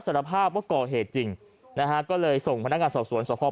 สารภาพว่าก่อเหตุจริงนะฮะก็เลยส่งพนักงานสอบสวนสภาพ